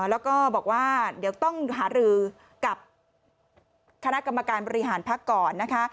แล้วก็บอกว่าเดี๋ยวต้องหารือกับคณะกรรมการบริหารพักก่อนนะคะ